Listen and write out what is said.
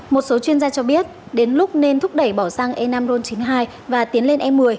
một số chuyên gia cho biết đến lúc nên thúc đẩy bỏ xăng e năm ron chín mươi hai và tiến lên e một mươi